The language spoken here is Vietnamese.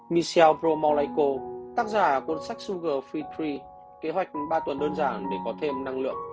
michelle bromolico tác giả của sách sugar free tree kế hoạch ba tuần đơn giản để có thêm năng lượng